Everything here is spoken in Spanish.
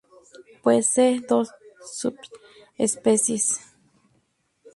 Posee dos subespecies.